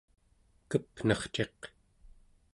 Kepnerciq